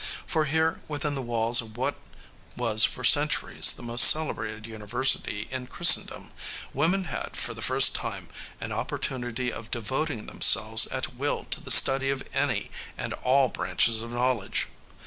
For here, within the walls of what was for centuries the most celebrated university in Christendom, women had, for the first time, an opportunity of devoting themselves at will to the study of any and all branches of knowledge.